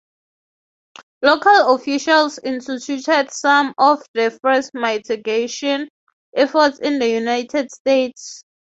Local officials instituted some of the first mitigation efforts in the United States.